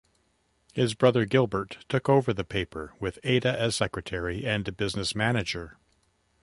His brother Gilbert took over the paper, with Ada as Secretary and Business Manager.